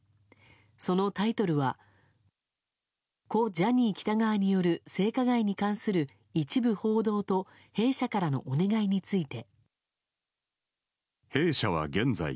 そのタイトルは「故ジャニー喜多川による性加害に関する一部報道と弊社からのお願いについて」。